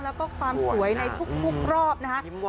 แล้วก็ความสวยในทุกรอบนะครับ